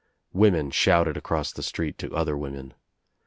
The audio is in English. Women shouted across the street to other women.